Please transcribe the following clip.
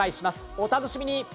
お楽しみに。